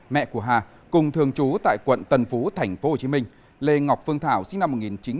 mẹ của hà cùng thường trú tại quận tần phú thành phố hồ chí minh lê ngọc phương thảo sinh năm một nghìn chín trăm chín mươi